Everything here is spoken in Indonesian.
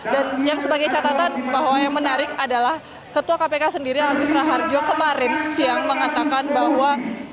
dan yang sebagai catatan bahwa yang menarik adalah ketua kpk sendiri agus raharjo kemarin siang mengatakan bahwa